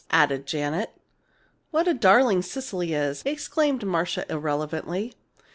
added Janet. "What a darling Cecily is!" exclaimed Marcia, irrelevantly.